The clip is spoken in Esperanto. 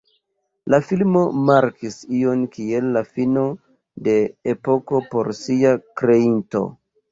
La filmo markis ion kiel la fino de epoko por sia kreinto.